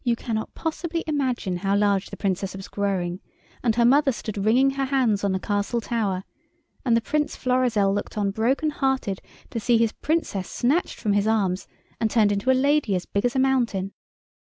You cannot possibly imagine how large the Princess was growing, and her mother stood wringing her hands on the castle tower, and the Prince Florizel looked on broken hearted to see his Princess snatched from his arms and turned into a lady as big as a mountain.